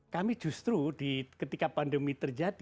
kami justru ketika pandemi terjadi